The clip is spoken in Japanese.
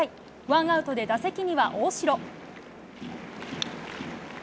ワンアウトで打席には大城。